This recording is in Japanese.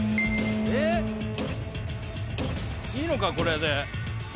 いいのか、これで。